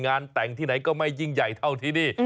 แต่งที่ไหนก็ไม่ยิ่งใหญ่เท่าที่นี่